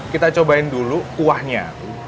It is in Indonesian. kita cobain dulu kuahnya